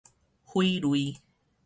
匪類